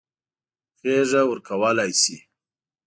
غېږه ورکولای شي.